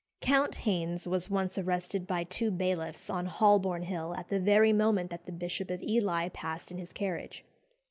"Count" Haines was once arrested by two bailiffs on Holborn Hill at the very moment that the Bishop of Ely passed in his carriage.